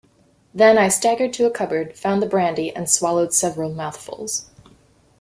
Then I staggered to a cupboard, found the brandy and swallowed several mouthfuls.